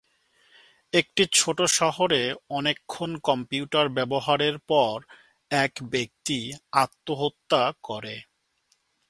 একটি ছোট শহরে, অনেকক্ষণ কম্পিউটার ব্যবহারের পর এক ব্যক্তি আত্মহত্যা করে।